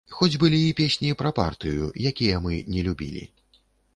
Хоць былі і песні пра партыю, якія мы не любілі.